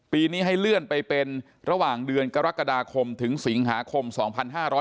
ปีนี้ให้เลื่อนไปเป็นระหว่างเดือนกรกฎาคมถึงสิงหาคม๒๕๕๙